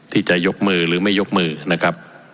ที่จะยกมือหรือไม่ยกมือนะครับ